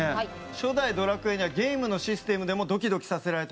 初代『ドラクエ』にはゲームのシステムでもドキドキさせられたんです。